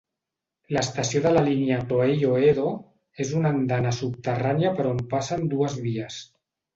L'estació de la línia Toei Oedo és una andana subterrània per on passen dues vies.